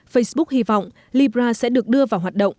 facebook hy vọng libra sẽ được đưa vào hoạt động